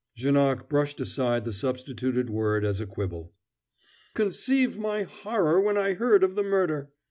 Janoc brushed aside the substituted word as a quibble. "Conceive my horror when I heard of the murder!"